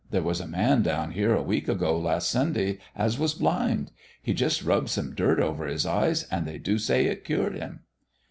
There was a man down here a week ago last Sunday as was blind. He just rubbed some dirt over his eyes, and they do say it cured him."